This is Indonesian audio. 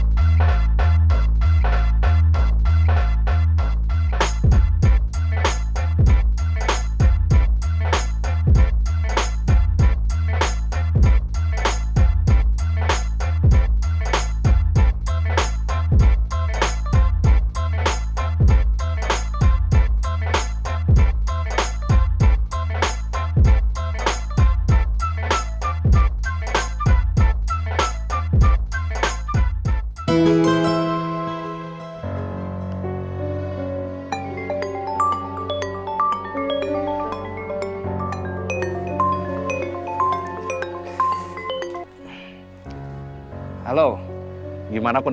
kalau cuadernya cukup